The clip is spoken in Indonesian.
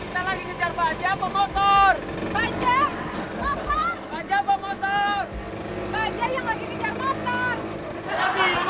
jangan sampai orangnya satu bici bensin